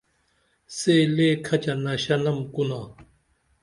سے لے کھچہ نشہ نم کُنا